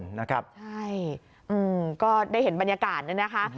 ใช่ก็ได้เห็นบรรยากาศนี่นะคะ